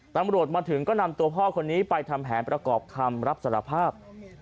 ตำรวจมาถึงก็นำตัวพ่อคนนี้ไปทำแผนประกอบคำรับสารภาพ